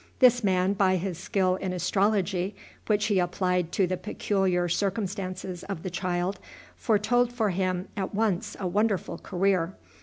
This man, by his skill in astrology, which he applied to the peculiar circumstances of the child, foretold for him at once a wonderful career.